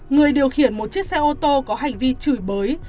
người điều khiển một chiếc xe ô tô có hành vi chửi bới